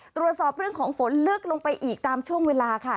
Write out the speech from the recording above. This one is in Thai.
ตรวจสอบเรื่องของฝนลึกลงไปอีกตามช่วงเวลาค่ะ